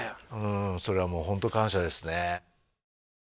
それはもうホント感謝ですね